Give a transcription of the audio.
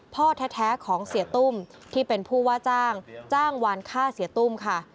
พ่อแท้ของเสียตุ้มที่เป็นผู้ว่าจ้างจ้างวานฆ่าเสียตุ้มค่ะ